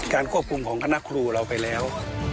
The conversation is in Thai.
ควบคุมของคณะครูเราไปแล้ว